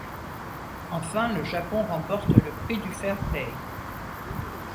Enfin, le Japon remporte le prix du fair-play.